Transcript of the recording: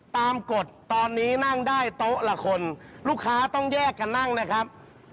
กฎตอนนี้นั่งได้โต๊ะละคนลูกค้าต้องแยกกันนั่งนะครับ